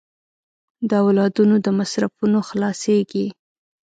د اولادونو د مصرفونو خلاصېږي.